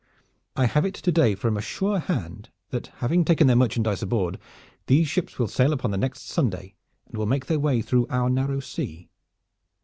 I have it to day from a sure hand that, having taken their merchandise aboard, these ships will sail upon the next Sunday and will make their way through our Narrow Sea.